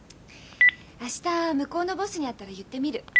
明日向こうのボスに会ったら言ってみる。